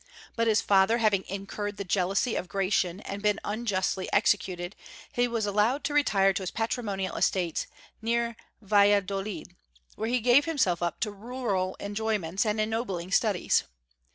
But his father having incurred the jealousy of Gratian and been unjustly executed, he was allowed to retire to his patrimonial estates near Valladolid, where he gave himself up to rural enjoyments and ennobling studies.